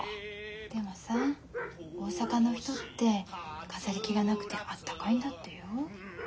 でもさ大阪の人って飾り気がなくてあったかいんだってよ。